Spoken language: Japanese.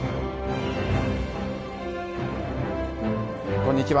こんにちは。